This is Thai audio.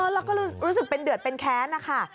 แล้วก็รู้สึกเป็นเดือดเป็นแค้นนะคะ